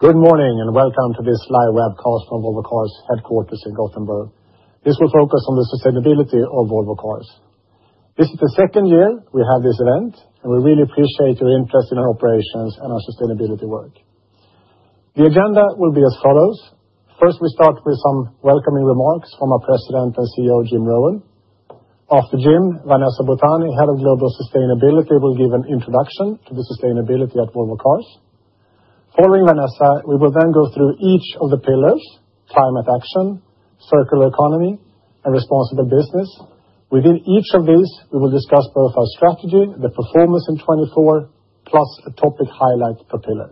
Good morning and welcome to this live webcast from Volvo Cars' headquarters in Gothenburg. This will focus on the sustainability of Volvo Cars. This is the second year we have this event, and we really appreciate your interest in our operations and our sustainability work. The agenda will be as follows. First, we start with some welcoming remarks from our President and CEO, Jim Rowan. After Jim, Vanessa Butani, Head of Global Sustainability, will give an introduction to the sustainability at Volvo Cars. Following Vanessa, we will then go through each of the pillars: Climate Action, Circular Economy, and Responsible Business. Within each of these, we will discuss both our strategy, the performance in 2024, plus a topic highlight per pillar.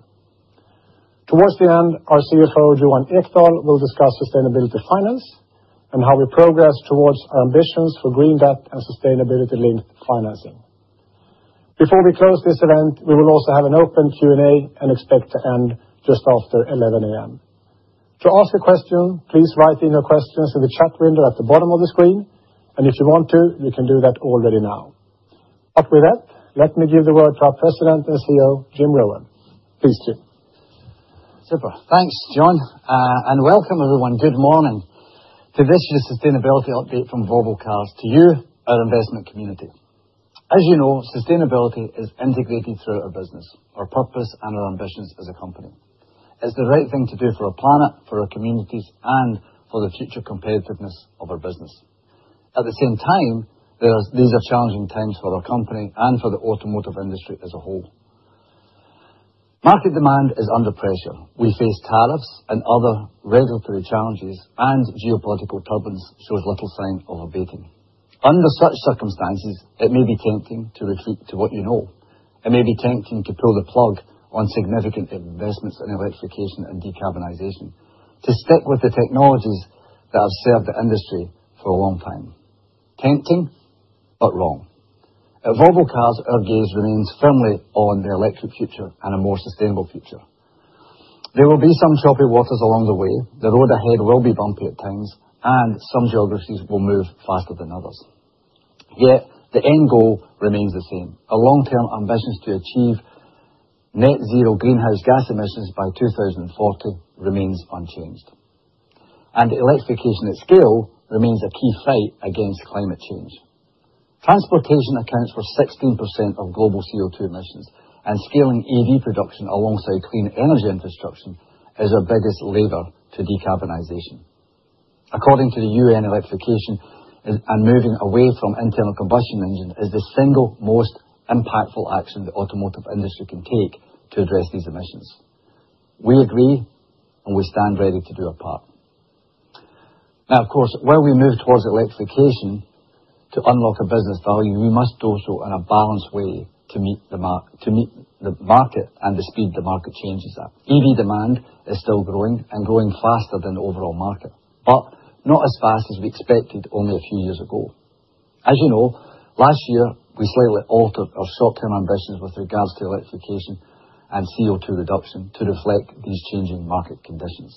Towards the end, our CFO, Johan Ekdahl, will discuss sustainability finance and how we progress towards our ambitions for green debt and sustainability-linked financing. Before we close this event, we will also have an open Q&A and expect to end just after 11:00 A.M. To ask a question, please write in your questions in the chat window at the bottom of the screen, and if you want to, you can do that already now. With that, let me give the word to our President and CEO, Jim Rowan. Please do. Super. Thanks, John, and welcome everyone. Good morning. To this, the sustainability update from Volvo Cars to you, our investment community. As you know, sustainability is integrated through our business, our purpose, and our ambitions as a company. It's the right thing to do for our planet, for our communities, and for the future competitiveness of our business. At the same time, these are challenging times for our company and for the automotive industry as a whole. Market demand is under pressure. We face tariffs and other regulatory challenges, and geopolitical turbulence shows little sign of abating. Under such circumstances, it may be tempting to retreat to what you know. It may be tempting to pull the plug on significant investments in electrification and decarbonization to stick with the technologies that have served the industry for a long time. Tempting, but wrong. At Volvo Cars, our gaze remains firmly on the electric future and a more sustainable future. There will be some choppy waters along the way. The road ahead will be bumpy at times, and some geographies will move faster than others. Yet the end goal remains the same. Our long-term ambition is to achieve net-zero greenhouse gas emissions by 2040, which remains unchanged. Electrification at scale remains a key fight against climate change. Transportation accounts for 16% of global CO2 emissions, and scaling EV production alongside clean energy infrastructure is our biggest lever to decarbonization. According to the UN, electrification and moving away from internal combustion engines is the single most impactful action the automotive industry can take to address these emissions. We agree, and we stand ready to do our part. Now, of course, when we move towards electrification to unlock a business value, we must do so in a balanced way to meet the market and the speed the market changes at. EV demand is still growing and growing faster than the overall market, but not as fast as we expected only a few years ago. As you know, last year, we slightly altered our short-term ambitions with regards to electrification and CO2 reduction to reflect these changing market conditions.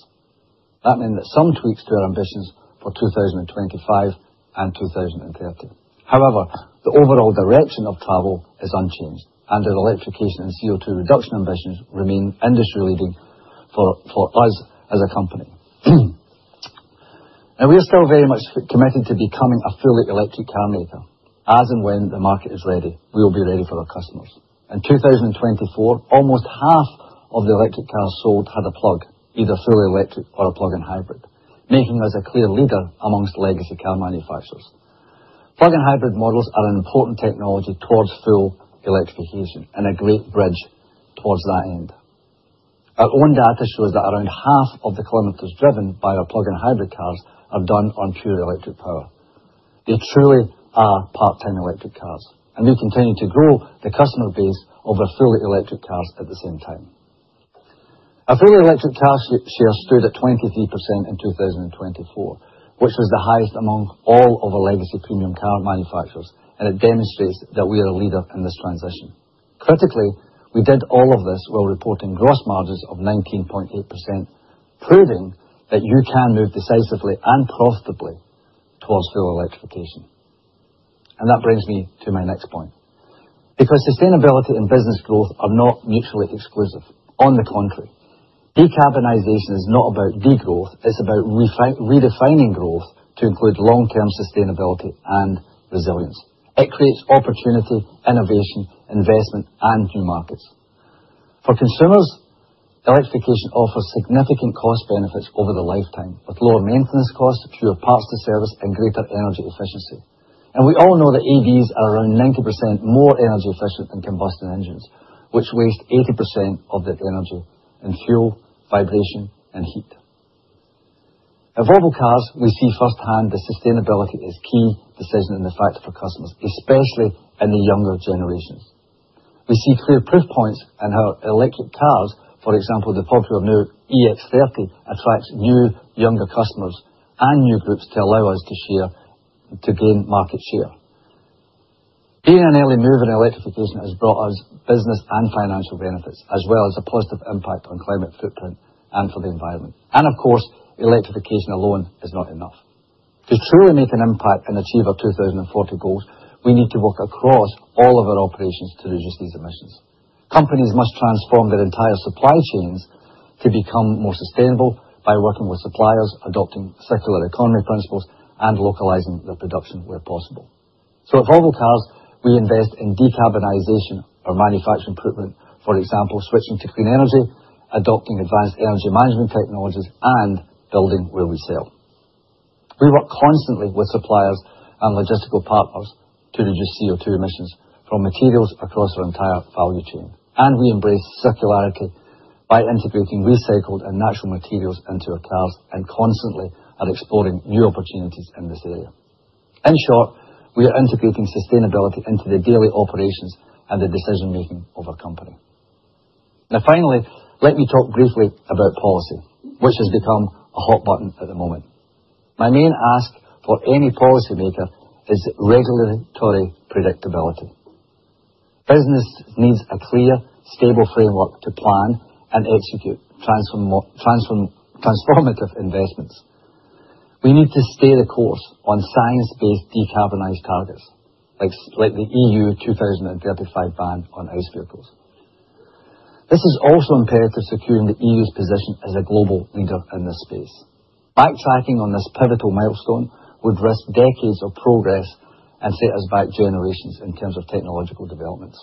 That meant that some tweaks to our ambitions for 2025 and 2030. However, the overall direction of travel is unchanged, and our electrification and CO2 reduction ambitions remain industry-leading for us as a company. Now, we are still very much committed to becoming a fully electric car maker. As and when the market is ready, we will be ready for our customers. In 2024, almost half of the electric cars sold had a plug, either fully electric or a plug-in hybrid, making us a clear leader amongst legacy car manufacturers. Plug-in hybrid models are an important technology towards full electrification and a great bridge towards that end. Our own data shows that around half of the kilometers driven by our plug-in hybrid cars are done on pure electric power. They truly are part-time electric cars, and we continue to grow the customer base of our fully electric cars at the same time. Our fully electric car share stood at 23% in 2024, which was the highest among all of our legacy premium car manufacturers, and it demonstrates that we are a leader in this transition. Critically, we did all of this while reporting gross margins of 19.8%, proving that you can move decisively and profitably towards full electrification. That brings me to my next point. Sustainability and business growth are not mutually exclusive. On the contrary, decarbonization is not about degrowth. It is about redefining growth to include long-term sustainability and resilience. It creates opportunity, innovation, investment, and new markets. For consumers, electrification offers significant cost benefits over the lifetime, with lower maintenance costs, fewer parts to service, and greater energy efficiency. We all know that EVs are around 90% more energy efficient than combustion engines, which waste 80% of the energy in fuel, vibration, and heat. At Volvo Cars, we see firsthand that sustainability is a key decision and a factor for customers, especially in the younger generations. We see clear proof points in how electric cars, for example, the popular new EX30, attract new, younger customers and new groups to allow us to gain market share. Being an early move in electrification has brought us business and financial benefits, as well as a positive impact on climate footprint and for the environment. Of course, electrification alone is not enough. To truly make an impact and achieve our 2040 goals, we need to work across all of our operations to reduce these emissions. Companies must transform their entire supply chains to become more sustainable by working with suppliers, adopting circular economy principles, and localizing their production where possible. At Volvo Cars, we invest in decarbonization of our manufacturing footprint, for example, switching to clean energy, adopting advanced energy management technologies, and building where we sell. We work constantly with suppliers and logistical partners to reduce CO2 emissions from materials across our entire value chain. We embrace circularity by integrating recycled and natural materials into our cars and constantly are exploring new opportunities in this area. In short, we are integrating sustainability into the daily operations and the decision-making of our company. Now, finally, let me talk briefly about policy, which has become a hot button at the moment. My main ask for any policymaker is regulatory predictability. Business needs a clear, stable framework to plan and execute transformative investments. We need to stay the course on science-based decarbonized targets, like the EU 2035 ban on ICE vehicles. This is also imperative to secure the EU's position as a global leader in this space. Backtracking on this pivotal milestone would risk decades of progress and set us back generations in terms of technological developments.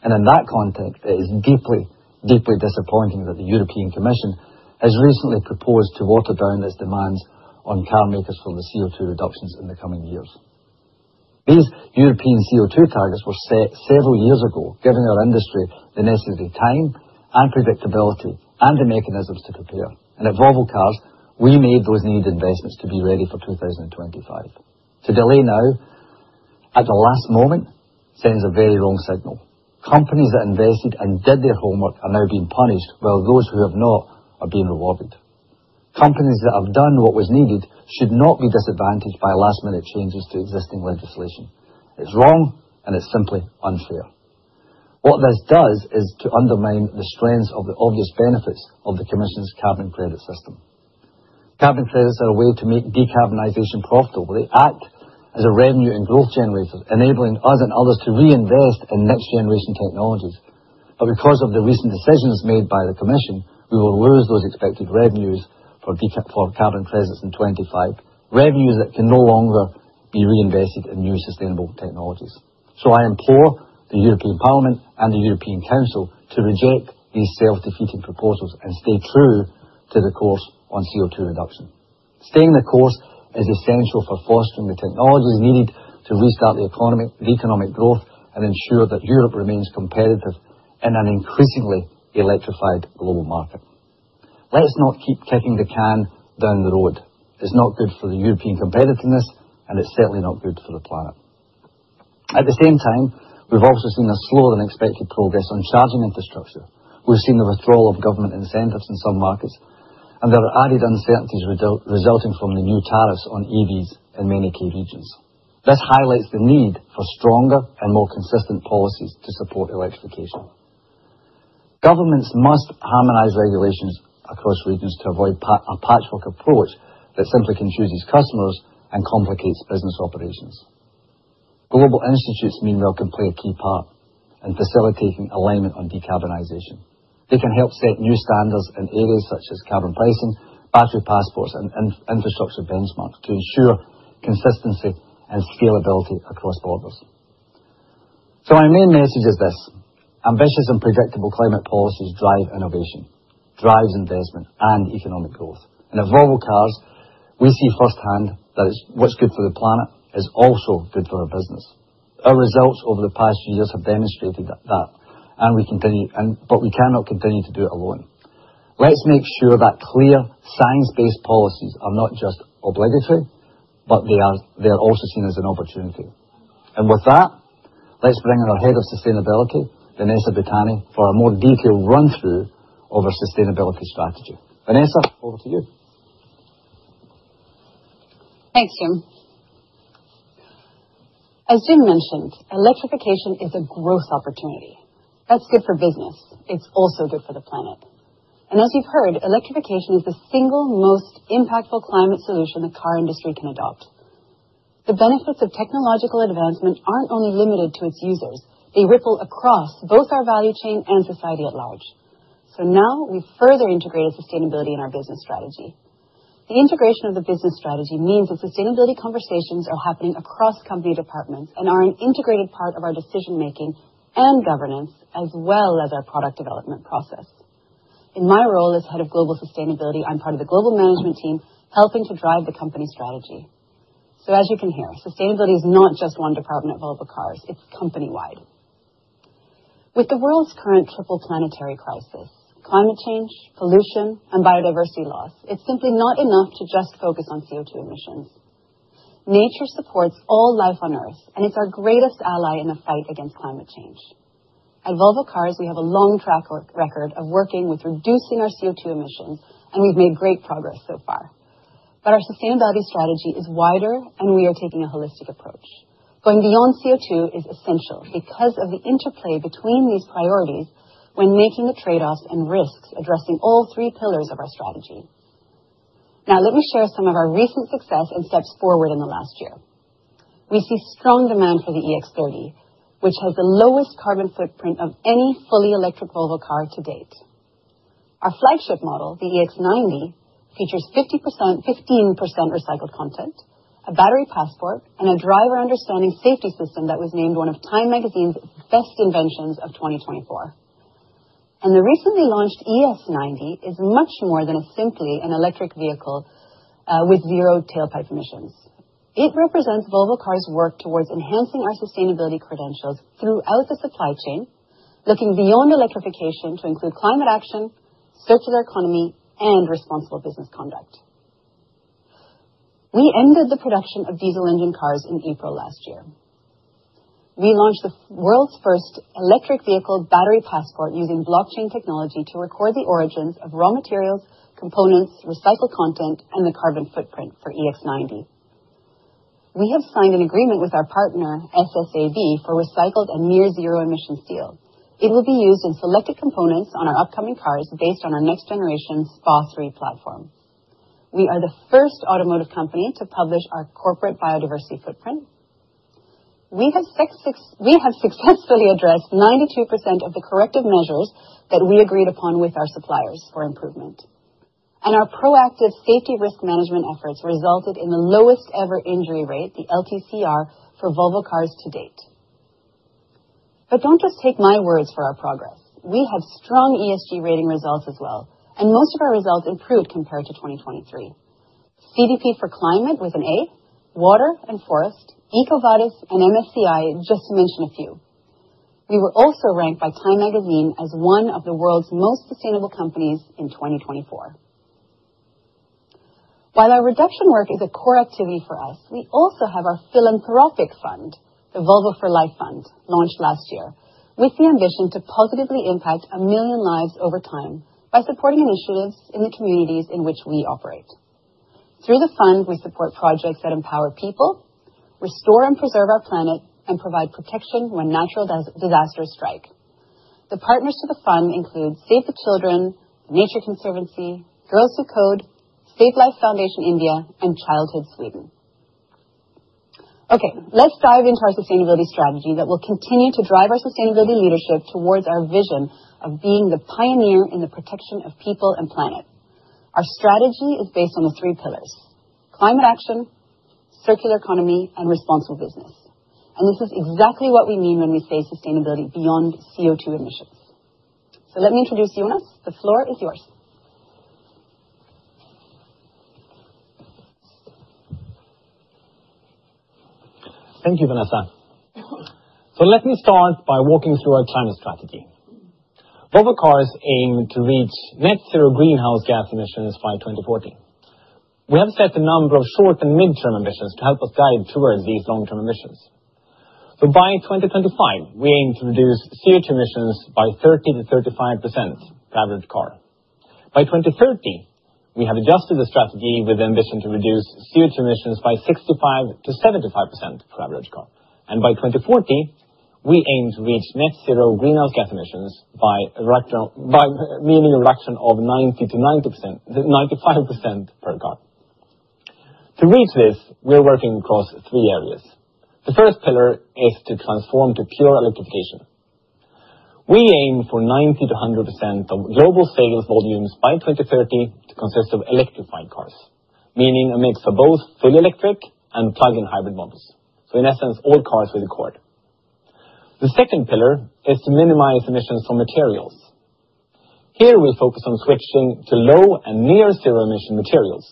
In that context, it is deeply, deeply disappointing that the European Commission has recently proposed to water down its demands on car makers for the CO2 reductions in the coming years. These European CO2 targets were set several years ago, giving our industry the necessary time and predictability and the mechanisms to prepare. At Volvo Cars, we made those needed investments to be ready for 2025. To delay now at the last moment sends a very wrong signal. Companies that invested and did their homework are now being punished, while those who have not are being rewarded. Companies that have done what was needed should not be disadvantaged by last-minute changes to existing legislation. It's wrong, and it's simply unfair. What this does is to undermine the strengths of the obvious benefits of the Commission's carbon credit system. Carbon credits are a way to make decarbonization profitable. They act as a revenue and growth generator, enabling us and others to reinvest in next-generation technologies. Because of the recent decisions made by the Commission, we will lose those expected revenues for carbon credits in 2025, revenues that can no longer be reinvested in new sustainable technologies. I implore the European Parliament and the European Council to reject these self-defeating proposals and stay true to the course on CO2 reduction. Staying the course is essential for fostering the technologies needed to restart the economic growth and ensure that Europe remains competitive in an increasingly electrified global market. Let's not keep kicking the can down the road. It's not good for the European competitiveness, and it's certainly not good for the planet. At the same time, we've also seen a slower-than-expected progress on charging infrastructure. We've seen the withdrawal of government incentives in some markets, and there are added uncertainties resulting from the new tariffs on EVs in many key regions. This highlights the need for stronger and more consistent policies to support electrification. Governments must harmonize regulations across regions to avoid a patchwork approach that simply confuses customers and complicates business operations. Global institutes, meanwhile, can play a key part in facilitating alignment on decarbonization. They can help set new standards in areas such as carbon pricing, battery passports, and infrastructure benchmarks to ensure consistency and scalability across borders. My main message is this: ambitious and predictable climate policies drive innovation, drive investment, and economic growth. At Volvo Cars, we see firsthand that what's good for the planet is also good for our business. Our results over the past few years have demonstrated that, and we cannot continue to do it alone. Let's make sure that clear, science-based policies are not just obligatory, but they are also seen as an opportunity. With that, let's bring in our Head of Sustainability, Vanessa Butani, for a more detailed run-through of our sustainability strategy. Vanessa, over to you. Thanks, Jim. As Jim mentioned, electrification is a growth opportunity. That's good for business. It's also good for the planet. As you've heard, electrification is the single most impactful climate solution the car industry can adopt. The benefits of technological advancement aren't only limited to its users. They ripple across both our value chain and society at large. Now we've further integrated sustainability in our business strategy. The integration of the business strategy means that sustainability conversations are happening across company departments and are an integrated part of our decision-making and governance, as well as our product development process. In my role as Head of Global Sustainability, I'm part of the global management team helping to drive the company strategy. As you can hear, sustainability is not just one department at Volvo Cars; it's company-wide. With the world's current triple planetary crisis—climate change, pollution, and biodiversity loss—it's simply not enough to just focus on CO2 emissions. Nature supports all life on Earth, and it's our greatest ally in the fight against climate change. At Volvo Cars, we have a long track record of working with reducing our CO2 emissions, and we've made great progress so far. Our sustainability strategy is wider, and we are taking a holistic approach. Going beyond CO2 is essential because of the interplay between these priorities when making the trade-offs and risks addressing all three pillars of our strategy. Now, let me share some of our recent success and steps forward in the last year. We see strong demand for the EX30, which has the lowest carbon footprint of any fully electric Volvo car to date. Our flagship model, the EX90, features 15% recycled content, a battery passport, and a driver-understanding safety system that was named one of Time Magazine's best inventions of 2024. The recently launched ES90 is much more than simply an electric vehicle with zero tailpipe emissions. It represents Volvo Cars' work towards enhancing our sustainability credentials throughout the supply chain, looking beyond electrification to include climate action, circular economy, and responsible business conduct. We ended the production of diesel engine cars in April last year. We launched the world's first electric vehicle battery passport using blockchain technology to record the origins of raw materials, components, recycled content, and the carbon footprint for EX90. We have signed an agreement with our partner, SSAB, for recycled and near-zero-emission steel. It will be used in selected components on our upcoming cars based on our next-generation SPA3 platform. We are the first automotive company to publish our corporate biodiversity footprint. We have successfully addressed 92% of the corrective measures that we agreed upon with our suppliers for improvement. Our proactive safety risk management efforts resulted in the lowest-ever injury rate, the LTCR, for Volvo Cars to date. Do not just take my words for our progress. We have strong ESG rating results as well, and most of our results improved compared to 2023. CDP for Climate with an A, Water and Forest, EcoVadis, and MSCI, just to mention a few. We were also ranked by Time Magazine as one of the world's most sustainable companies in 2024. While our reduction work is a core activity for us, we also have our philanthropic fund, the Volvo For Life Fund, launched last year with the ambition to positively impact a million lives over time by supporting initiatives in the communities in which we operate. Through the fund, we support projects that empower people, restore and preserve our planet, and provide protection when natural disasters strike. The partners to the fund include Save the Children, The Nature Conservancy, Girls Who Code, SaveLIFE Foundation India, and Childhood Sweden. Okay, let's dive into our sustainability strategy that will continue to drive our sustainability leadership towards our vision of being the pioneer in the protection of people and planet. Our strategy is based on the three pillars: climate action, circular economy, and responsible business. This is exactly what we mean when we say sustainability beyond CO2 emissions. Let me introduce Johan. The floor is yours. Thank you, Vanessa. Let me start by walking through our climate strategy. Volvo Cars aim to reach net zero greenhouse gas emissions by 2040. We have set a number of short and mid-term ambitions to help us guide towards these long-term ambitions. By 2025, we aim to reduce CO2 emissions by 30%-35% per average car. By 2030, we have adjusted the strategy with the ambition to reduce CO2 emissions by 65%-75% per average car. By 2040, we aim to reach net zero greenhouse gas emissions by meaning a reduction of 90%-95% per car. To reach this, we're working across three areas. The first pillar is to transform to pure electrification. We aim for 90%-100% of global sales volumes by 2030 to consist of electrified cars, meaning a mix of both fully electric and plug-in hybrid models. In essence, all cars with a cord. The second pillar is to minimize emissions from materials. Here, we'll focus on switching to low and near-zero-emission materials,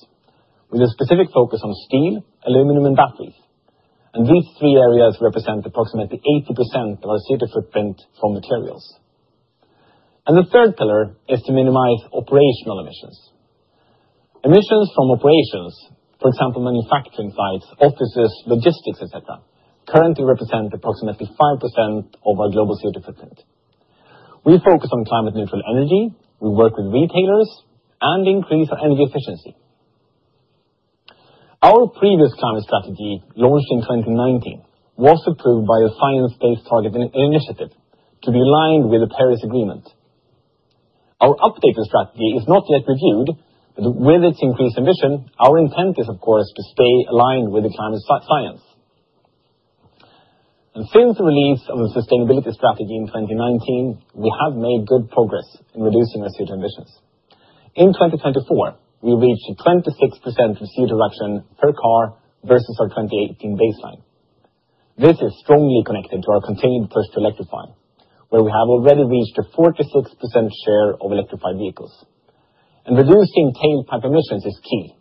with a specific focus on steel, aluminum, and batteries. These three areas represent approximately 80% of our CO2 footprint from materials. The third pillar is to minimize operational emissions. Emissions from operations, for example, manufacturing sites, offices, logistics, etc., currently represent approximately 5% of our global CO2 footprint. We focus on climate-neutral energy. We work with retailers and increase our energy efficiency. Our previous climate strategy, launched in 2019, was approved by the Science Based Targets initiative to be aligned with the Paris Agreement. Our updated strategy is not yet reviewed, but with its increased ambition, our intent is, of course, to stay aligned with the climate science. Since the release of the sustainability strategy in 2019, we have made good progress in reducing our CO2 emissions. In 2024, we reached a 26% reduction per car versus our 2018 baseline. This is strongly connected to our continued push to electrify, where we have already reached a 46% share of electrified vehicles. Reducing tailpipe emissions is key,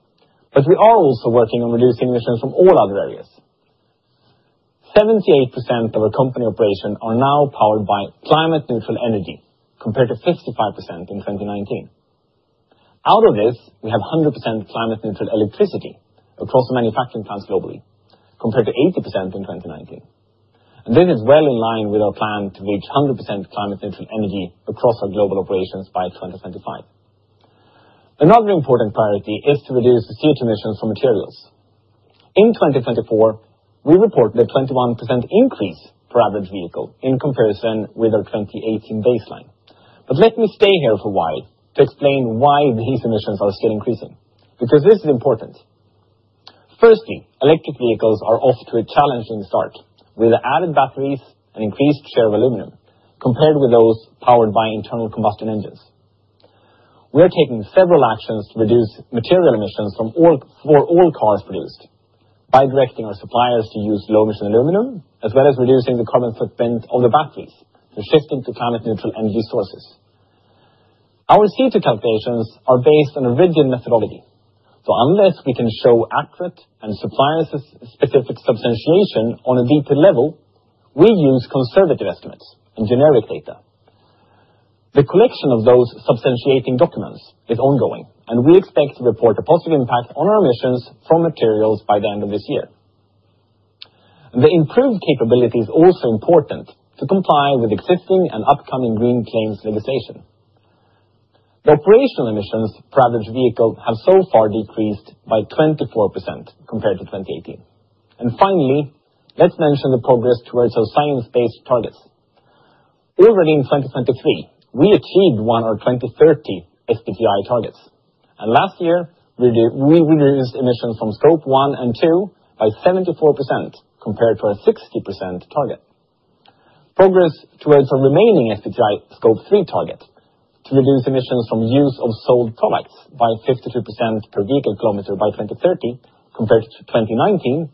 but we are also working on reducing emissions from all other areas. 78% of our company operations are now powered by climate-neutral energy, compared to 55% in 2019. Out of this, we have 100% climate-neutral electricity across the manufacturing plants globally, compared to 80% in 2019. This is well in line with our plan to reach 100% climate-neutral energy across our global operations by 2025. Another important priority is to reduce the CO2 emissions from materials. In 2024, we reported a 21% increase per average vehicle in comparison with our 2018 baseline. Let me stay here for a while to explain why these emissions are still increasing, because this is important. Firstly, electric vehicles are off to a challenging start with the added batteries and increased share of aluminum, compared with those powered by internal combustion engines. We are taking several actions to reduce material emissions for all cars produced by directing our suppliers to use low-emission aluminum, as well as reducing the carbon footprint of the batteries through shifting to climate-neutral energy sources. Our CO2 calculations are based on a rigid methodology. Unless we can show accurate and supplier-specific substantiation on a detailed level, we use conservative estimates and generic data. The collection of those substantiating documents is ongoing, and we expect to report a positive impact on our emissions from materials by the end of this year. The improved capability is also important to comply with existing and upcoming green claims legislation. The operational emissions per average vehicle have so far decreased by 24% compared to 2018. Finally, let's mention the progress towards our science-based targets. Already in 2023, we achieved one of our 2030 SBTi targets. Last year, we reduced emissions from Scope 1 and 2 by 74% compared to our 60% target. Progress towards our remaining SBTi Scope 3 target to reduce emissions from use of sold products by 52% per vehicle kilometer by 2030 compared to 2019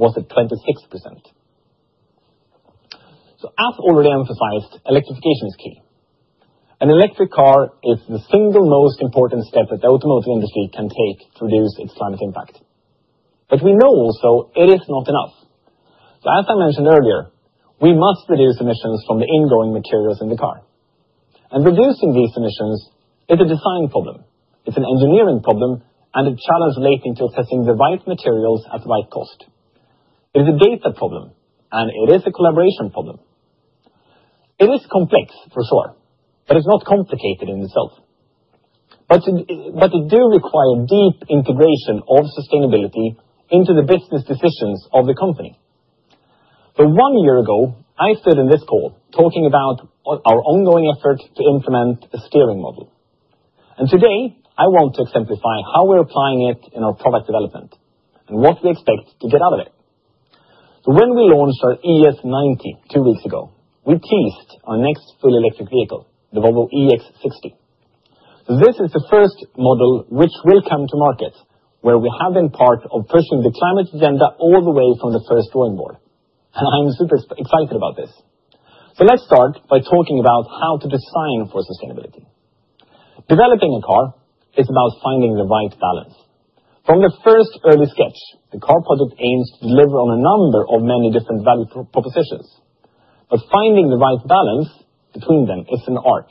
was at 26%. As already emphasized, electrification is key. An electric car is the single most important step that the automotive industry can take to reduce its climate impact. We know also it is not enough. As I mentioned earlier, we must reduce emissions from the ingoing materials in the car. Reducing these emissions is a design problem. It's an engineering problem and a challenge relating to assessing the right materials at the right cost. It is a data problem, and it is a collaboration problem. It is complex, for sure, but it's not complicated in itself. It does require deep integration of sustainability into the business decisions of the company. One year ago, I stood in this call talking about our ongoing effort to implement a steering model. Today, I want to exemplify how we're applying it in our product development and what we expect to get out of it. When we launched our ES90 two weeks ago, we teased our next fully electric vehicle, the Volvo EX60. This is the first model which will come to market, where we have been part of pushing the climate agenda all the way from the first drawing board. I'm super excited about this. Let's start by talking about how to design for sustainability. Developing a car is about finding the right balance. From the first early sketch, the car project aims to deliver on a number of many different value propositions. Finding the right balance between them is an art.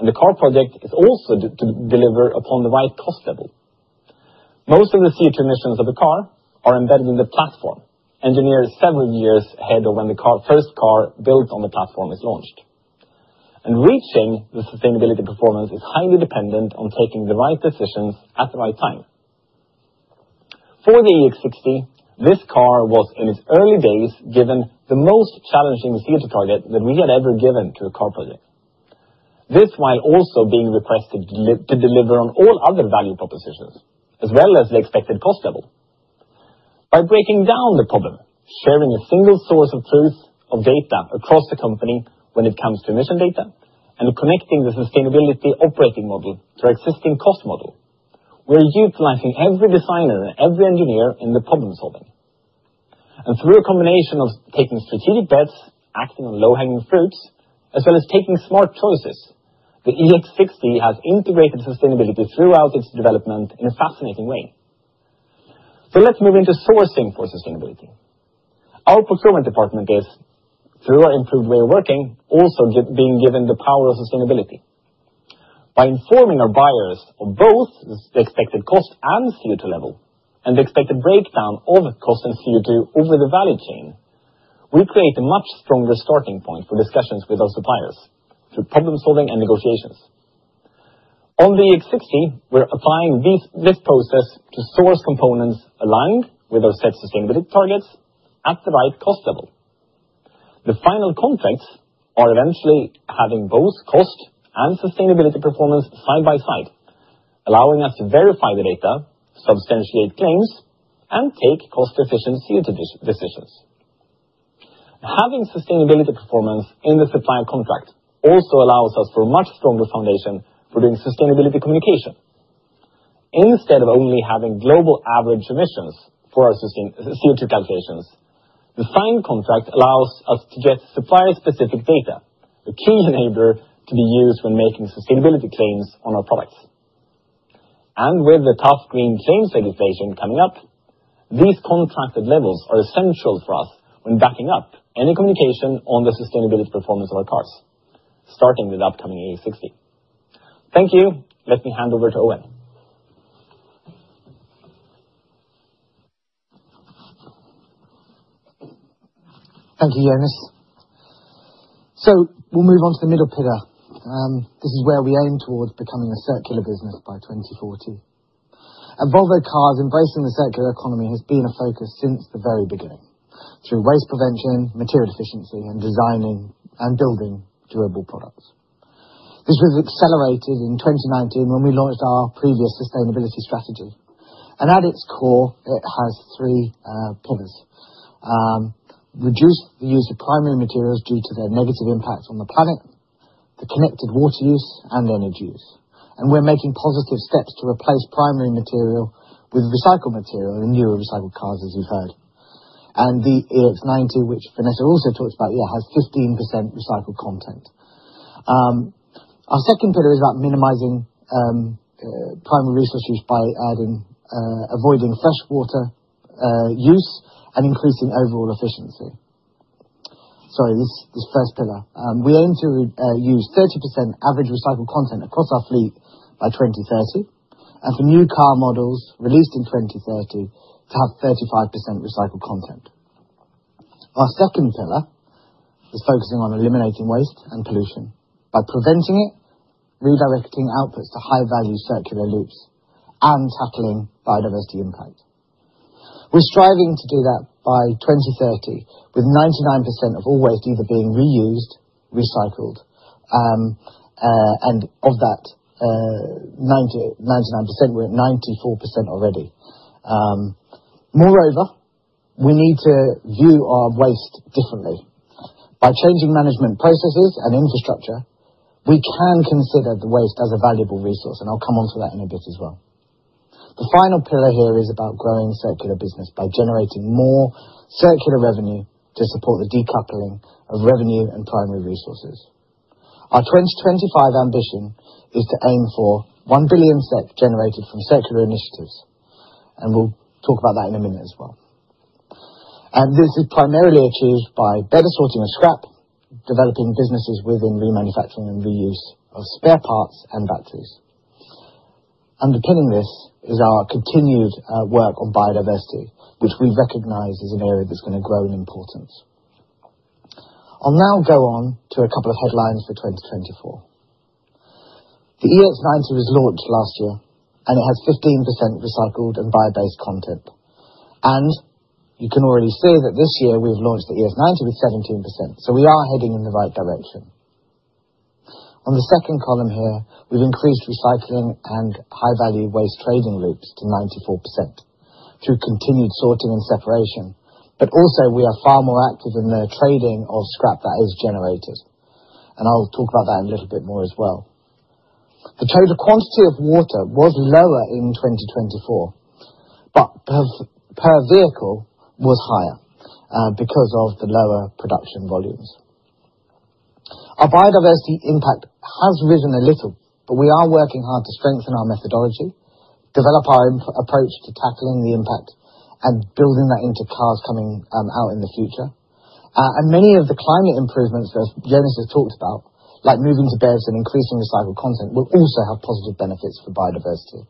The car project is also to deliver upon the right cost level. Most of the CO2 emissions of a car are embedded in the platform, engineered several years ahead of when the first car built on the platform is launched. Reaching the sustainability performance is highly dependent on taking the right decisions at the right time. For the EX60, this car was, in its early days, given the most challenging CO2 target that we had ever given to a car project. This while also being requested to deliver on all other value propositions, as well as the expected cost level. By breaking down the problem, sharing a single source of truth of data across the company when it comes to emission data, and connecting the sustainability operating model to our existing cost model, we're utilizing every designer and every engineer in the problem-solving. Through a combination of taking strategic bets, acting on low-hanging fruits, as well as taking smart choices, the EX60 has integrated sustainability throughout its development in a fascinating way. Let's move into sourcing for sustainability. Our procurement department is, through our improved way of working, also being given the power of sustainability. By informing our buyers of both the expected cost and CO2 level, and the expected breakdown of cost and CO2 over the value chain, we create a much stronger starting point for discussions with our suppliers through problem-solving and negotiations. On the EX60, we're applying this process to source components aligned with our set sustainability targets at the right cost level. The final contracts are eventually having both cost and sustainability performance side by side, allowing us to verify the data, substantiate claims, and take cost-efficient CO2 decisions. Having sustainability performance in the supplier contract also allows us for a much stronger foundation for doing sustainability communication. Instead of only having global average emissions for our CO2 calculations, the signed contract allows us to get supplier-specific data, a key enabler to be used when making sustainability claims on our products. With the tough green claims legislation coming up, these contracted levels are essential for us when backing up any communication on the sustainability performance of our cars, starting with upcoming EX60. Thank you. Let me hand over to Owen. Thank you, Johan. We will move on to the middle pillar. This is where we aim towards becoming a circular business by 2040. At Volvo Cars, embracing the circular economy has been a focus since the very beginning, through waste prevention, material efficiency, and designing and building durable products. This was accelerated in 2019 when we launched our previous sustainability strategy. At its core, it has three pillars: reduce the use of primary materials due to their negative impacts on the planet, the connected water use, and energy use. We are making positive steps to replace primary material with recycled material in newer recycled cars, as you have heard. The EX90, which Vanessa also talked about, has 15% recycled content. Our second pillar is about minimizing primary resource use by avoiding freshwater use and increasing overall efficiency. Sorry, this first pillar. We aim to use 30% average recycled content across our fleet by 2030, and for new car models released in 2030, to have 35% recycled content. Our second pillar is focusing on eliminating waste and pollution by preventing it, redirecting outputs to high-value circular loops, and tackling biodiversity impact. We are striving to do that by 2030, with 99% of all waste either being reused or recycled, and of that 99%, we are at 94% already. Moreover, we need to view our waste differently. By changing management processes and infrastructure, we can consider the waste as a valuable resource. I will come on to that in a bit as well. The final pillar here is about growing circular business by generating more circular revenue to support the decoupling of revenue and primary resources. Our 2025 ambition is to aim for 1 billion SEK generated from circular initiatives. We will talk about that in a minute as well. This is primarily achieved by better sorting of scrap, developing businesses within remanufacturing and reuse of spare parts and batteries. Underpinning this is our continued work on biodiversity, which we recognize is an area that is going to grow in importance. I will now go on to a couple of headlines for 2024. The EX90 was launched last year, and it has 15% recycled and bio-based content. You can already see that this year we have launched the ES90 with 17%. We are heading in the right direction. On the second column here, we have increased recycling and high-value waste trading loops to 94% through continued sorting and separation. We are also far more active in the trading of scrap that is generated. I will talk about that in a little bit more as well. The total quantity of water was lower in 2024, but per vehicle was higher because of the lower production volumes. Our biodiversity impact has risen a little, but we are working hard to strengthen our methodology, develop our approach to tackling the impact, and building that into cars coming out in the future. Many of the climate improvements that Johan has talked about, like moving to BEVs and increasing recycled content, will also have positive benefits for biodiversity.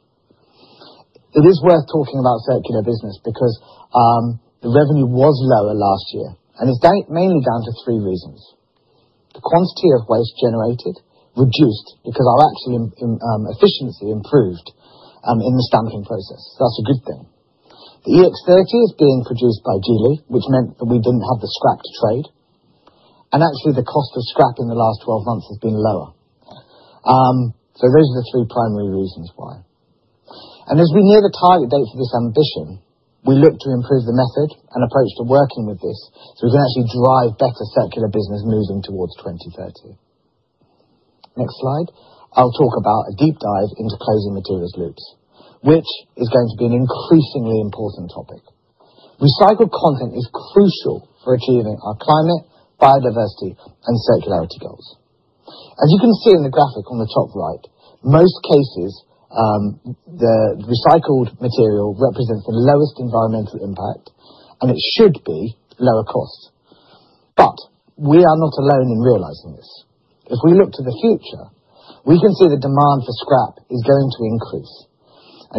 It is worth talking about circular business because the revenue was lower last year. It is mainly down to three reasons. The quantity of waste generated reduced because our actual efficiency improved in the stamping process. That is a good thing. The EX30 is being produced by Geely, which meant that we did not have the scrap to trade. Actually, the cost of scrap in the last 12 months has been lower. Those are the three primary reasons why. As we near the target date for this ambition, we look to improve the method and approach to working with this so we can actually drive better circular business moving towards 2030. Next slide. I'll talk about a deep dive into closing materials loops, which is going to be an increasingly important topic. Recycled content is crucial for achieving our climate, biodiversity, and circularity goals. As you can see in the graphic on the top right, in most cases, the recycled material represents the lowest environmental impact, and it should be lower cost. We are not alone in realizing this. If we look to the future, we can see the demand for scrap is going to increase.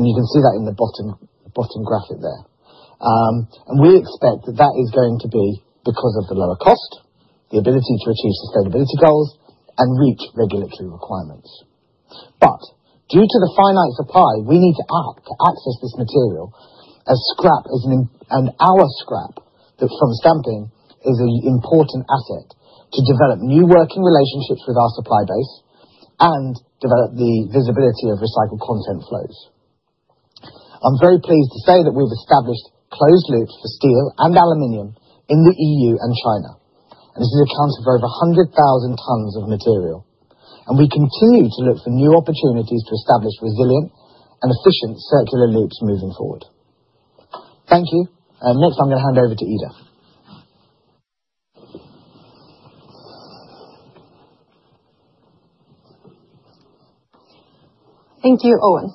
You can see that in the bottom graphic there. We expect that that is going to be because of the lower cost, the ability to achieve sustainability goals, and reach regulatory requirements. Due to the finite supply, we need to access this material as scrap and our scrap from stamping is an important asset to develop new working relationships with our supply base and develop the visibility of recycled content flows. I am very pleased to say that we have established closed loops for steel and aluminum in the EU and China. This is a count of over 100,000 tons of material. We continue to look for new opportunities to establish resilient and efficient circular loops moving forward. Thank you. Next, I am going to hand over to Ida. Thank you, Owen.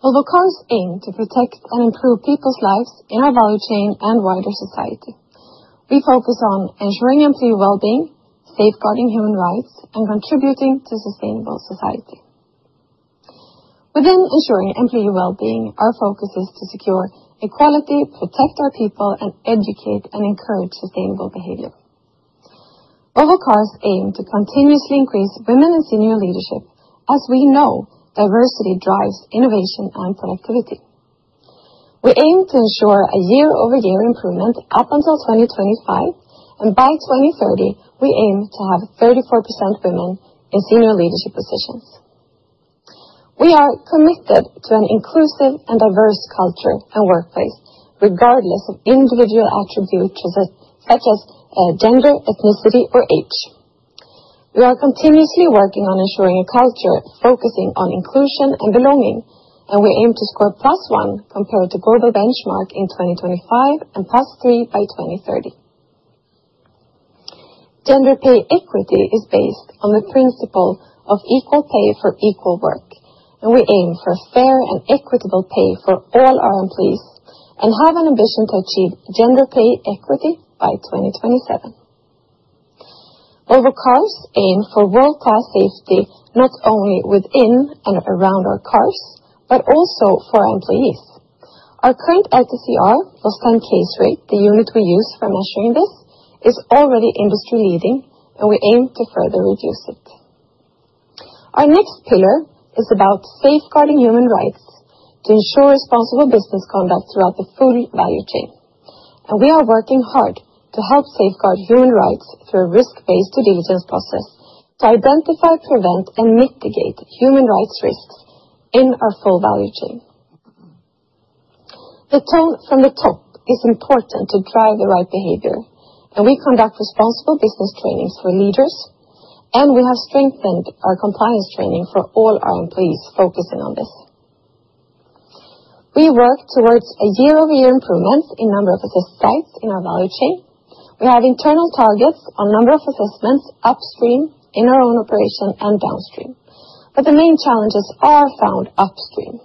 Volvo Cars aim to protect and improve people's lives in our value chain and wider society. We focus on ensuring employee well-being, safeguarding human rights, and contributing to a sustainable society. Within ensuring employee well-being, our focus is to secure equality, protect our people, and educate and encourage sustainable behavior. Volvo Cars aim to continuously increase women in senior leadership, as we know diversity drives innovation and productivity. We aim to ensure a year-over-year improvement up until 2025. By 2030, we aim to have 34% women in senior leadership positions. We are committed to an inclusive and diverse culture and workplace, regardless of individual attributes such as gender, ethnicity, or age. We are continuously working on ensuring a culture focusing on inclusion and belonging, and we aim to score plus one compared to global benchmark in 2025 and plus three by 2030. Gender pay equity is based on the principle of equal pay for equal work, and we aim for fair and equitable pay for all our employees and have an ambition to achieve gender pay equity by 2027. Volvo Cars aim for world-class safety, not only within and around our cars, but also for our employees. Our current LTCR, Lost Time Case Rate, the unit we use for measuring this, is already industry-leading, and we aim to further reduce it. Our next pillar is about safeguarding human rights to ensure responsible business conduct throughout the full value chain. We are working hard to help safeguard human rights through a risk-based due diligence process to identify, prevent, and mitigate human rights risks in our full value chain. The tone from the top is important to drive the right behavior, and we conduct responsible business trainings for leaders, and we have strengthened our compliance training for all our employees focusing on this. We work towards a year-over-year improvement in number of assessed sites in our value chain. We have internal targets on number of assessments upstream in our own operation and downstream, but the main challenges are found upstream.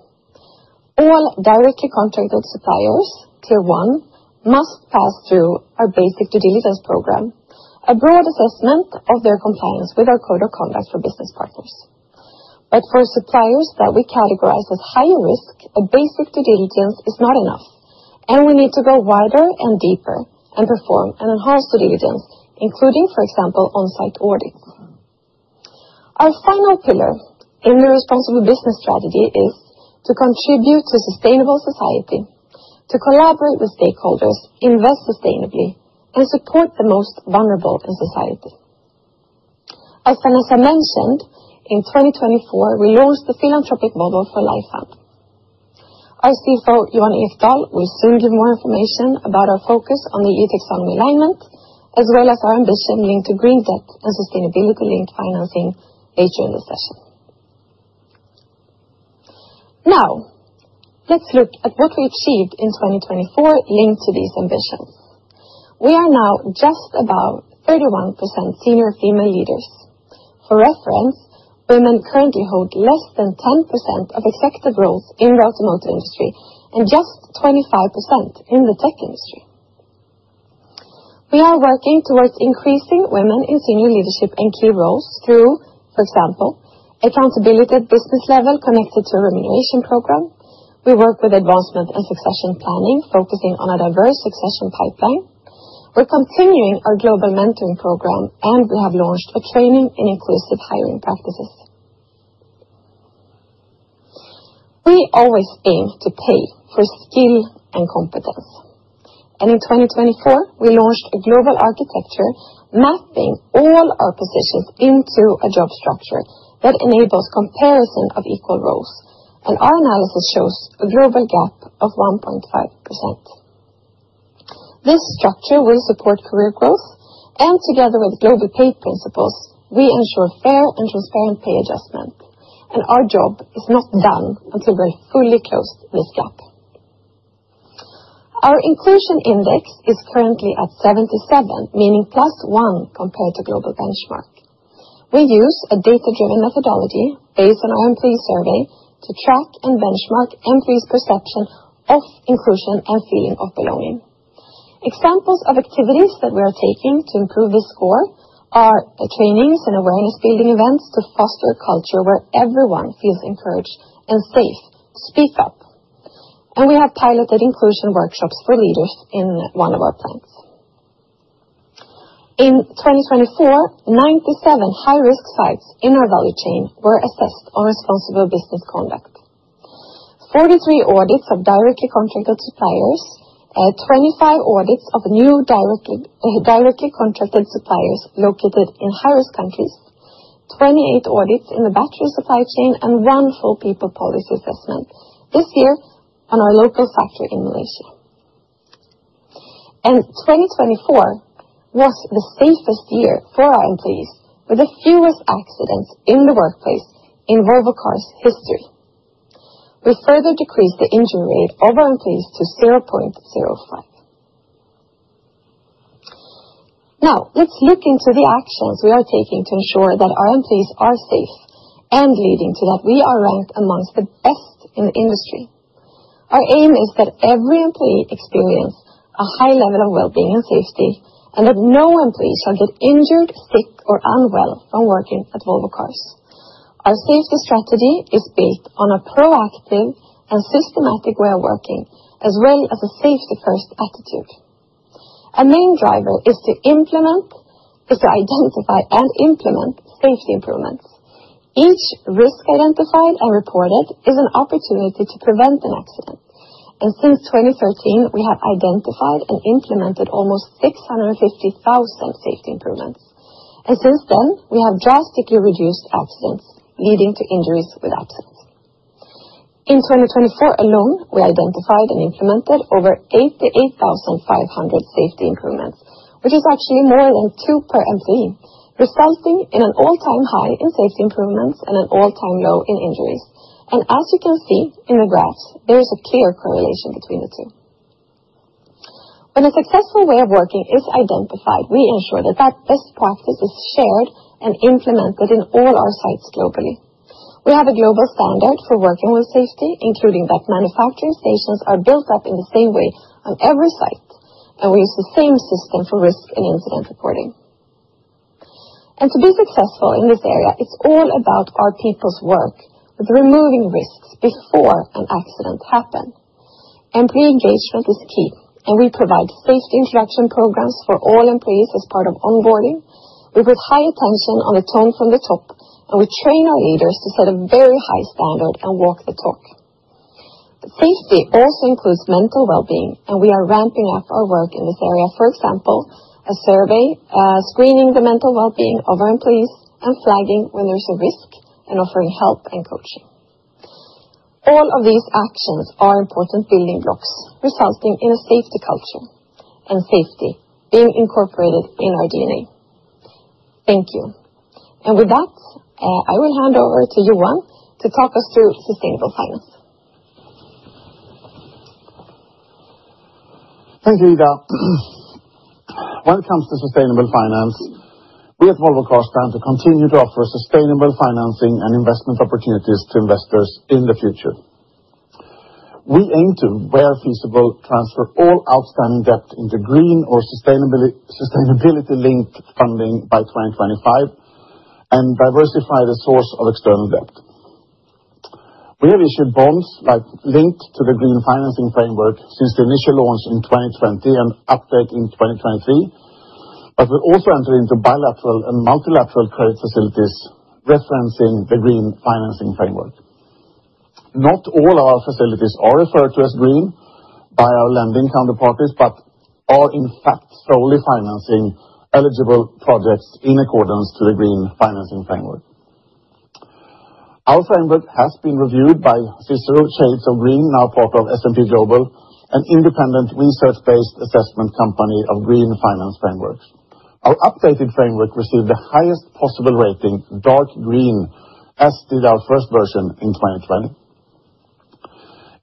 All directly contracted suppliers, tier one, must pass through our basic due diligence program, a broad assessment of their compliance with our Code of Conduct for Business Partners. For suppliers that we categorize as higher risk, a basic due diligence is not enough, and we need to go wider and deeper and perform an enhanced due diligence, including, for example, on-site audits. Our final pillar in the responsible business strategy is to contribute to a sustainable society, to collaborate with stakeholders, invest sustainably, and support the most vulnerable in society. As Vanessa mentioned, in 2024, we launched the philanthropic Volvo For Life Fund. Our CFO, Johan Ekdahl, will soon give more information about our focus on the EU taxonomy alignment, as well as our ambition linked to green debt and sustainability-linked financing later in the session. Now, let's look at what we achieved in 2024 linked to these ambitions. We are now just above 31% senior female leaders. For reference, women currently hold less than 10% of executive roles in the automotive industry and just 25% in the tech industry. We are working towards increasing women in senior leadership and key roles through, for example, accountability at business level connected to a remuneration program. We work with advancement and succession planning, focusing on a diverse succession pipeline. We are continuing our global mentoring program, and we have launched a training in inclusive hiring practices. We always aim to pay for skill and competence. In 2024, we launched a global architecture mapping all our positions into a job structure that enables comparison of equal roles. Our analysis shows a global gap of 1.5%. This structure will support career growth, and together with global pay principles, we ensure fair and transparent pay adjustment. Our job is not done until we have fully closed this gap. Our inclusion index is currently at 77, meaning plus one compared to global benchmark. We use a data-driven methodology based on our employee survey to track and benchmark employees' perception of inclusion and feeling of belonging. Examples of activities that we are taking to improve this score are trainings and awareness-building events to foster a culture where everyone feels encouraged and safe to speak up. We have piloted inclusion workshops for leaders in one of our plants. In 2024, 97 high-risk sites in our value chain were assessed on responsible business conduct. There were 43 audits of directly contracted suppliers, 25 audits of new directly contracted suppliers located in high-risk countries, 28 audits in the battery supply chain, and one full people policy assessment this year on our local factory in Malaysia. The year 2024 was the safest year for our employees, with the fewest accidents in the workplace in Volvo Cars' history. We further decreased the injury rate of our employees to 0.05. Now, let's look into the actions we are taking to ensure that our employees are safe and leading to that we are ranked amongst the best in the industry. Our aim is that every employee experiences a high level of well-being and safety, and that no employee shall get injured, sick, or unwell from working at Volvo Cars. Our safety strategy is based on a proactive and systematic way of working, as well as a safety-first attitude. Our main driver is to identify and implement safety improvements. Each risk identified and reported is an opportunity to prevent an accident. Since 2013, we have identified and implemented almost 650,000 safety improvements. Since then, we have drastically reduced accidents, leading to injuries with accidents. In 2024 alone, we identified and implemented over 88,500 safety improvements, which is actually more than two per employee, resulting in an all-time high in safety improvements and an all-time low in injuries. As you can see in the graphs, there is a clear correlation between the two. When a successful way of working is identified, we ensure that that best practice is shared and implemented in all our sites globally. We have a global standard for working with safety, including that manufacturing stations are built up in the same way on every site, and we use the same system for risk and incident reporting. To be successful in this area, it's all about our people's work with removing risks before an accident happens. Employee engagement is key, and we provide safety introduction programs for all employees as part of onboarding. We put high attention on the tone from the top, and we train our leaders to set a very high standard and walk the talk. Safety also includes mental well-being, and we are ramping up our work in this area. For example, a survey screening the mental well-being of our employees and flagging when there's a risk and offering help and coaching. All of these actions are important building blocks, resulting in a safety culture and safety being incorporated in our DNA. Thank you. With that, I will hand over to Johan to talk us through sustainable finance. Thank you, Ida. When it comes to sustainable finance, we at Volvo Cars plan to continue to offer sustainable financing and investment opportunities to investors in the future. We aim to, where feasible, transfer all outstanding debt into green or sustainability-linked funding by 2025 and diversify the source of external debt. We have issued bonds linked to the green financing framework since the initial launch in 2020 and update in 2023, but we've also entered into bilateral and multilateral credit facilities referencing the green financing framework. Not all of our facilities are referred to as green by our lending counterparties, but are in fact solely financing eligible projects in accordance to the green financing framework. Our framework has been reviewed by CICERO, Shades of Green, now part of S&P Global, an independent research-based assessment company of green finance frameworks. Our updated framework received the highest possible rating, dark green, as did our first version in 2020.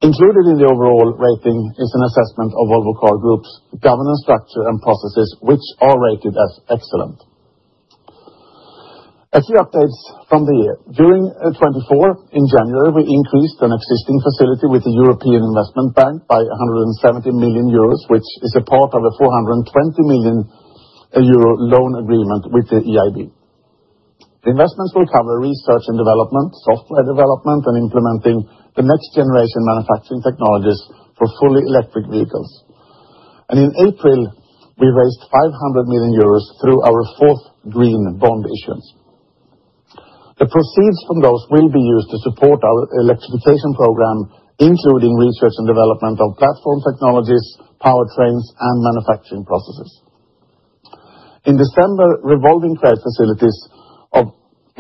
Included in the overall rating is an assessment of Volvo Car Group's governance structure and processes, which are rated as excellent. A few updates from the year. During 2024, in January, we increased an existing facility with the European Investment Bank by 170 million euros, which is a part of a 420 million euro loan agreement with the EIB. The investments will cover research and development, software development, and implementing the next-generation manufacturing technologies for fully electric vehicles. In April, we raised 500 million euros through our fourth green bond issuance. The proceeds from those will be used to support our electrification program, including research and development of platform technologies, powertrains, and manufacturing processes. In December, revolving credit facilities of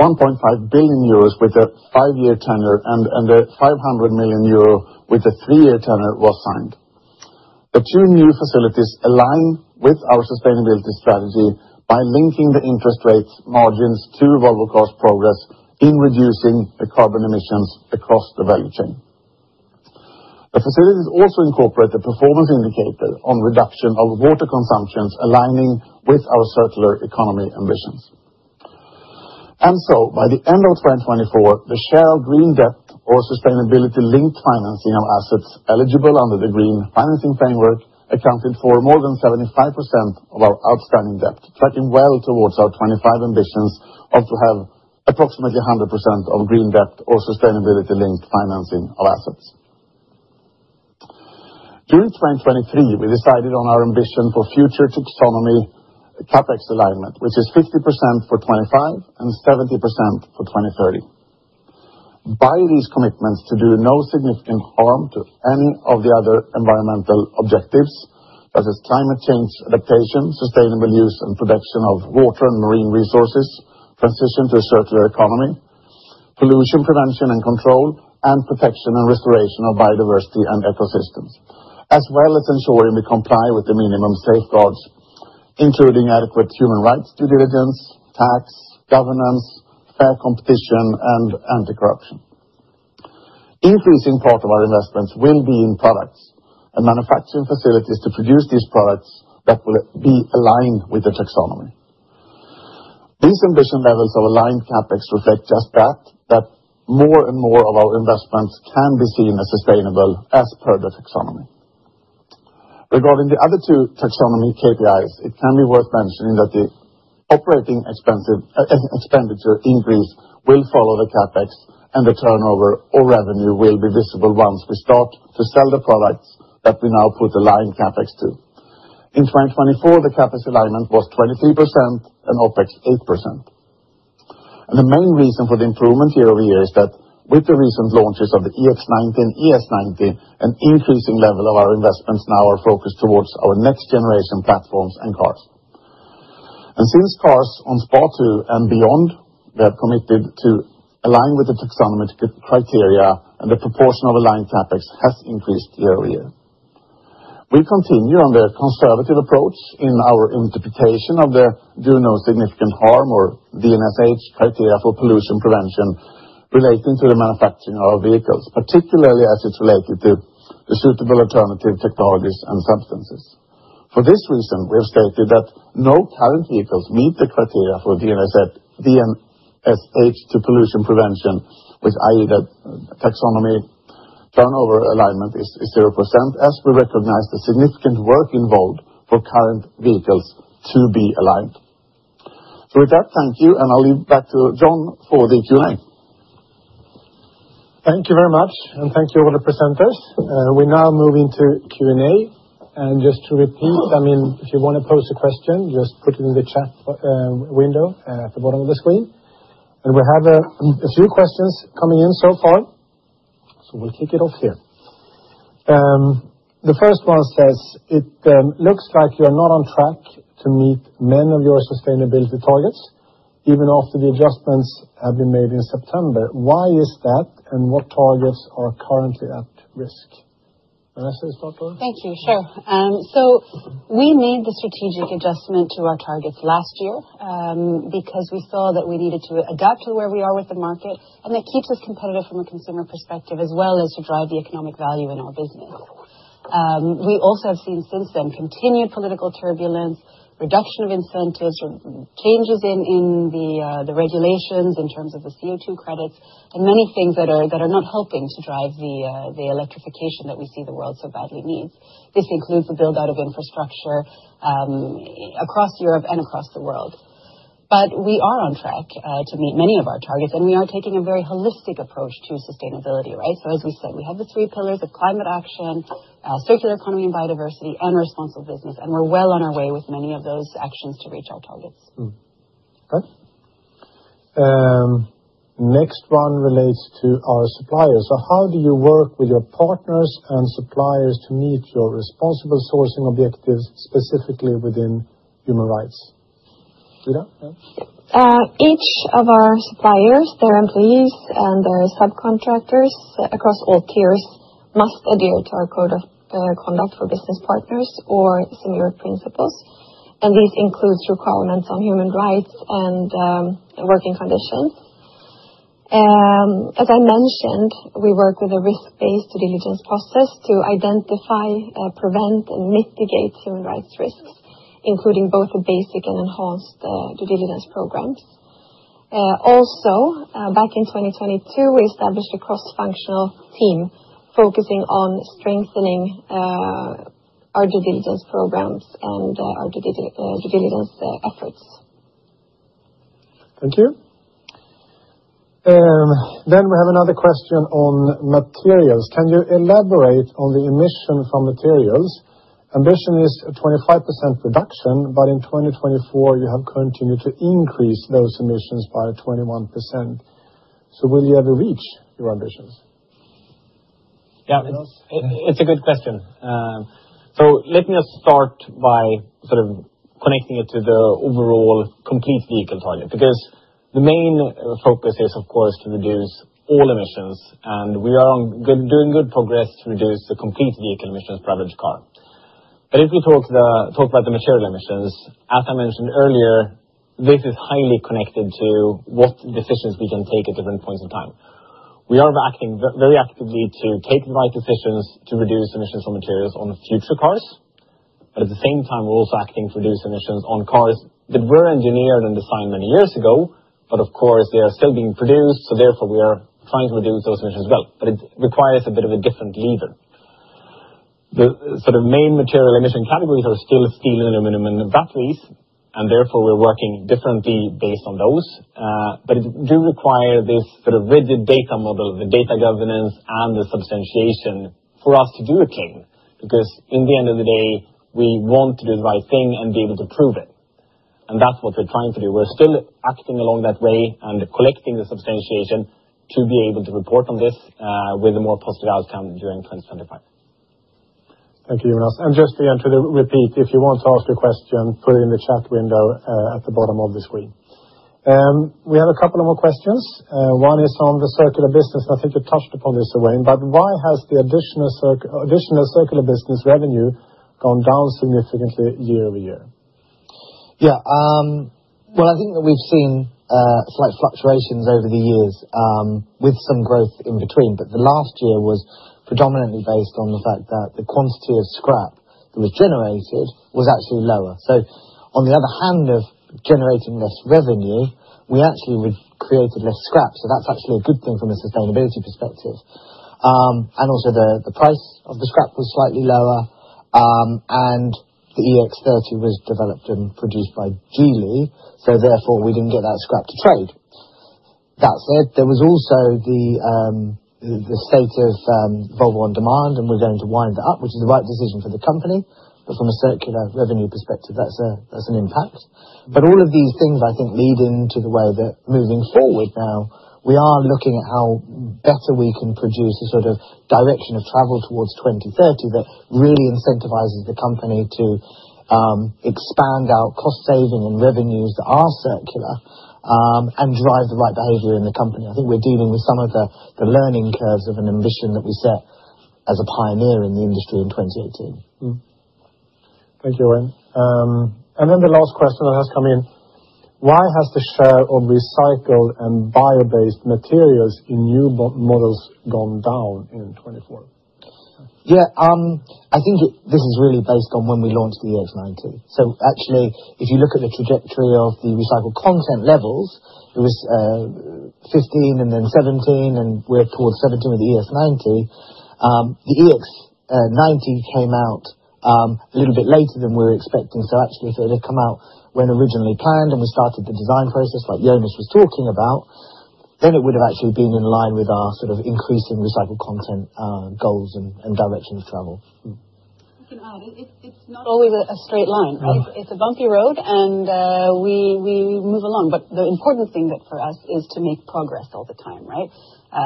1.5 billion euros with a five-year tenure and 500 million euro with a three-year tenure were signed. The two new facilities align with our sustainability strategy by linking the interest rate margins to Volvo Cars' progress in reducing carbon emissions across the value chain. The facilities also incorporate a performance indicator on reduction of water consumptions, aligning with our circular economy ambitions. By the end of 2024, the share of green debt or sustainability-linked financing of assets eligible under the green financing framework accounted for more than 75% of our outstanding debt, tracking well towards our 2025 ambitions to have approximately 100% of green debt or sustainability-linked financing of assets. During 2023, we decided on our ambition for future taxonomy CapEx alignment, which is 50% for 2025 and 70% for 2030. By these commitments, to do no significant harm to any of the other environmental objectives, such as climate change adaptation, sustainable use and production of water and marine resources, transition to a circular economy, pollution prevention and control, and protection and restoration of biodiversity and ecosystems, as well as ensuring we comply with the minimum safeguards, including adequate human rights due diligence, tax, governance, fair competition, and anti-corruption. An increasing part of our investments will be in products and manufacturing facilities to produce these products that will be aligned with the taxonomy. These ambition levels of aligned CapEx reflect just that, that more and more of our investments can be seen as sustainable as per the taxonomy. Regarding the other two taxonomy KPIs, it can be worth mentioning that the operating expenditure increase will follow the CapEx, and the turnover or revenue will be visible once we start to sell the products that we now put aligned CapEx to. In 2024, the CapEx alignment was 23% and OpEx 8%. The main reason for the improvement year-over-year is that with the recent launches of the EX90 and ES90, an increasing level of our investments now are focused towards our next-generation platforms and cars. Since cars on SPA3 and beyond, we have committed to align with the taxonomy criteria, and the proportion of aligned CapEx has increased year-over-year. We continue on the conservative approach in our interpretation of the do-no-significant-harm or DNSH criteria for pollution prevention relating to the manufacturing of our vehicles, particularly as it's related to the suitable alternative technologies and substances. For this reason, we have stated that no current vehicles meet the criteria for DNSH to pollution prevention, which i.e. the taxonomy turnover alignment is 0%, as we recognize the significant work involved for current vehicles to be aligned. Thank you, and I'll leave back to John for the Q&A. Thank you very much, and thank you all the presenters. We now move into Q&A. Just to repeat, I mean, if you want to post a question, just put it in the chat window at the bottom of the screen. We have a few questions coming in so far, so we'll kick it off here. The first one says, "It looks like you are not on track to meet many of your sustainability targets, even after the adjustments have been made in September. Why is that, and what targets are currently at risk?" May I say start, Vanessa? Thank you. Sure. We made the strategic adjustment to our targets last year because we saw that we needed to adapt to where we are with the market, and that keeps us competitive from a consumer perspective, as well as to drive the economic value in our business. We also have seen since then continued political turbulence, reduction of incentives, changes in the regulations in terms of the CO2 credits, and many things that are not helping to drive the electrification that we see the world so badly needs. This includes the build-out of infrastructure across Europe and across the world. We are on track to meet many of our targets, and we are taking a very holistic approach to sustainability, right? As we said, we have the three pillars of climate action, circular economy and biodiversity, and responsible business, and we're well on our way with many of those actions to reach our targets. Okay. Next one relates to our suppliers. How do you work with your partners and suppliers to meet your responsible sourcing objectives, specifically within human rights? Ida, yeah. Each of our suppliers, their employees, and their subcontractors across all tiers must adhere to our code of conduct for business partners or similar principles. These include requirements on human rights and working conditions. As I mentioned, we work with a risk-based due diligence process to identify, prevent, and mitigate human rights risks, including both the basic and enhanced due diligence programs. Also, back in 2022, we established a cross-functional team focusing on strengthening our due diligence programs and our due diligence efforts. Thank you. We have another question on materials. Can you elaborate on the emission from materials? Ambition is a 25% reduction, but in 2024, you have continued to increase those emissions by 21%. Will you ever reach your ambitions? Yeah, it's a good question. Let me just start by sort of connecting it to the overall complete vehicle target, because the main focus is, of course, to reduce all emissions, and we are doing good progress to reduce the complete vehicle emissions per average car. If we talk about the material emissions, as I mentioned earlier, this is highly connected to what decisions we can take at different points in time. We are acting very actively to take the right decisions to reduce emissions from materials on future cars. At the same time, we're also acting to reduce emissions on cars that were engineered and designed many years ago, but of course, they are still being produced, so therefore, we are trying to reduce those emissions as well. It requires a bit of a different lever. The sort of main material emission categories are still steel, aluminum, and batteries, and therefore, we're working differently based on those. It does require this sort of rigid data model, the data governance and the substantiation for us to do a claim, because in the end of the day, we want to do the right thing and be able to prove it. That's what we're trying to do. We're still acting along that way and collecting the substantiation to be able to report on this with a more positive outcome during 2025. Thank you, Johan. Just to repeat, if you want to ask a question, put it in the chat window at the bottom of the screen. We have a couple more questions. One is on the circular business, and I think you touched upon this Owen, but why has the additional circular business revenue gone down significantly year-over-year? Yeah. I think that we've seen slight fluctuations over the years with some growth in between, but the last year was predominantly based on the fact that the quantity of scrap that was generated was actually lower. On the other hand of generating less revenue, we actually created less scrap. That's actually a good thing from a sustainability perspective. Also, the price of the scrap was slightly lower, and the EX30 was developed and produced by Geely, so therefore, we didn't get that scrap to trade. That said, there was also the state of Volvo On Demand, and we're going to wind that up, which is the right decision for the company. From a circular revenue perspective, that's an impact. All of these things, I think, lead into the way that moving forward now, we are looking at how better we can produce a sort of direction of travel towards 2030 that really incentivizes the company to expand our cost saving and revenues that are circular and drive the right behavior in the company. I think we're dealing with some of the learning curves of an ambition that we set as a pioneer in the industry in 2018. Thank you, Owen. The last question that has come in, why has the share of recycled and bio-based materials in new models gone down in 2024? Yeah. I think this is really based on when we launched the EX90. Actually, if you look at the trajectory of the recycled content levels, it was 15 and then 17, and we're towards 17 with the ES90. The EX90 came out a little bit later than we were expecting. Actually, if it had come out when originally planned and we started the design process like Johan was talking about, then it would have actually been in line with our sort of increasing recycled content goals and direction of travel. I can add. It's not always a straight line, right? It's a bumpy road, and we move along. The important thing for us is to make progress all the time, right?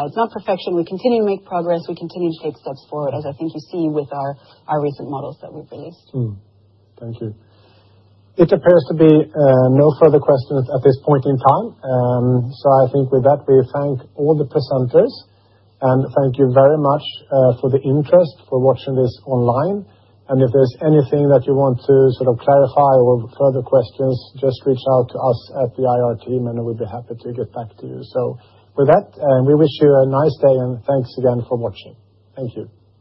It's not perfection. We continue to make progress. We continue to take steps forward, as I think you see with our recent models that we've released. Thank you. It appears to be no further questions at this point in time. I think with that, we thank all the presenters, and thank you very much for the interest, for watching this online. If there's anything that you want to sort of clarify or further questions, just reach out to us at the IR team, and we'd be happy to get back to you. With that, we wish you a nice day, and thanks again for watching. Thank you.